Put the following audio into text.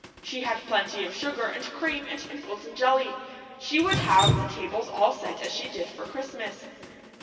She had plenty of sugar, and cream, and pickles and jelly. She would have the tables all set as she did for Christmas.